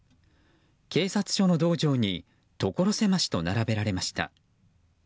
警察署の道場に所狭しと並べられました。